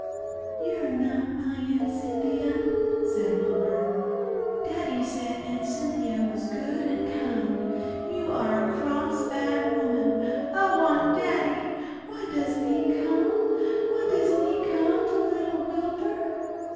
"You are not my Aunt Cynthia," said Wilbur. "Daddy said Aunt Cynthia was good and kind—you are a cross, bad woman. I want Daddy. Why doesn't he come? Why doesn't he come to little Wilbur?"